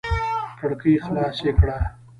کړکۍ خلاصې کړه!